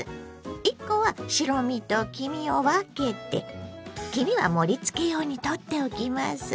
１コは白身と黄身を分けて黄身は盛りつけ用にとっておきます。